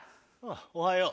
おはよう。